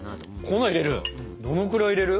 粉入れる？